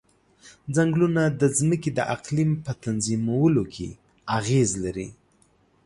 ځنګلونه د ځمکې د اقلیم په تنظیمولو کې اغیز لري.